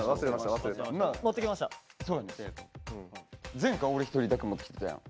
前回俺一人だけ持ってきてたやん。